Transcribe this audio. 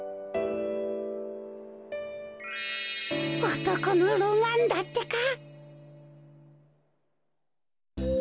おとこのロマンだってか。